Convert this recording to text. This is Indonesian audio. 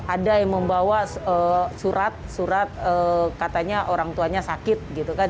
ada yang membawa surat surat katanya orang tuanya sakit gitu kan